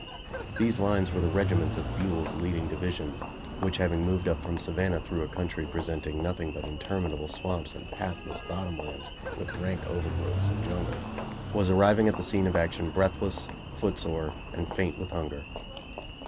These lines were the regiments of Buell's leading division, which having moved up from Savannah through a country presenting nothing but interminable swamps and pathless "bottom lands," with rank overgrowths of jungle, was arriving at the scene of action breathless, footsore and faint with hunger.